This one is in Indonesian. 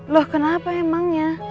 loh kenapa emangnya